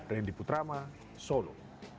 randy putrama solo